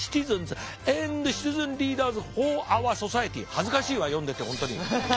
恥ずかしいわ読んでて本当に。